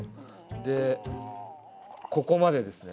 でここまでですね。